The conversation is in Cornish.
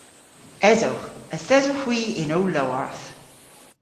Esowgh. Yth esowgh hwi yn ow lowarth.